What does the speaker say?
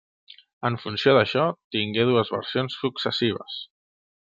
En funció d'això tingué dues versions successives.